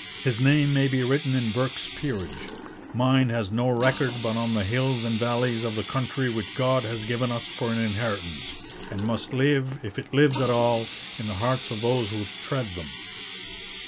His name may be written in Burke's Peerage; mine has no record but on the hills and valleys of the country which God has given us for an inheritance, and must live, if it lives at all, in the hearts of those who tread them.